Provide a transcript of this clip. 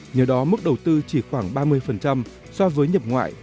nhờ đó mức đầu tư chỉ khoảng ba mươi so với nhập ngoại